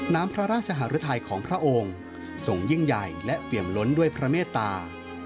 น้ำพระราชหารุทัยของพระองค์ทรงยิ่งใหญ่และเปี่ยมล้นด้วยพระเมตตา